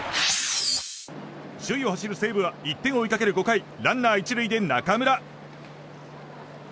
首位を走る西武は１点を追いかける５回ランナー１塁で中村。